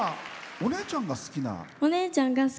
お姉ちゃんが好きな。